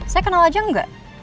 saya kenal aja enggak